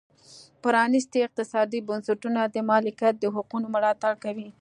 پرانیستي اقتصادي بنسټونه د مالکیت د حقونو ملاتړ کوي.